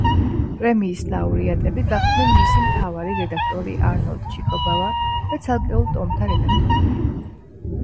პრემიის ლაურეატები გახდნენ მისი მთავარი რედაქტორი არნოლდ ჩიქობავა და ცალკეულ ტომთა რედაქტორები.